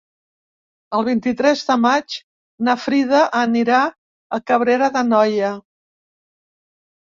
El vint-i-tres de maig na Frida anirà a Cabrera d'Anoia.